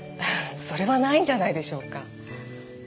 それはないんじゃないでしょうか。